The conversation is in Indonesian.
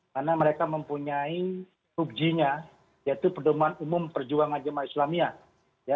karena mereka mempunyai ujinya yaitu perdomuan umum perjuangan jamaah islamia